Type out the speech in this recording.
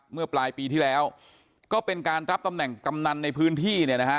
เมื่อปลายปีที่แล้วก็เป็นการรับตำแหน่งกำนันในพื้นที่เนี่ยนะฮะ